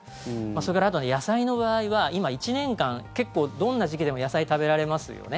それからあと野菜の場合は今、１年間どんな時期でも野菜、食べられますよね。